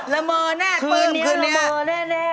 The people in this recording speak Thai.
ละม่อน่าปลื้มคืนนี้คืนนี้ละม่อแน่